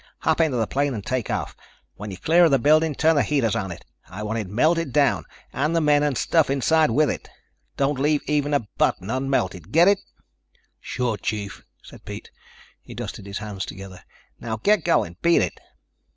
Hop into the plane and take off. When you're clear of the building, turn the heaters on it. I want it melted down and the men and stuff inside with it. Don't leave even a button unmelted. Get it?" "Sure, chief," said Pete. He dusted his hands together. "Now get going. Beat it."